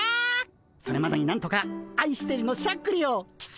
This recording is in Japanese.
それまでになんとかあいしてるのしゃっくりを聞きたいぜ。